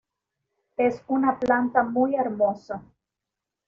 Es una planta muy hermosa.